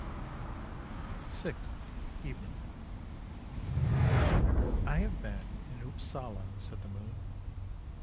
' SIXTH EVENING " I have been in Upsala," said the moon.